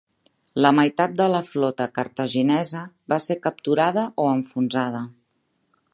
La meitat de la flota cartaginesa va ser capturada o enfonsada.